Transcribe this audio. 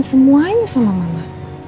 semuanya sama mama